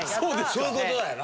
そういう事だよな。